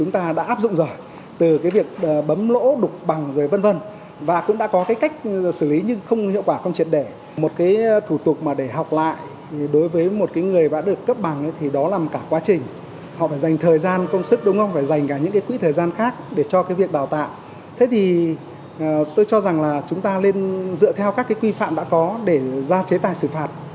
tôi cho rằng là chúng ta nên dựa theo các cái quy phạm đã có để ra chế tài xử phạt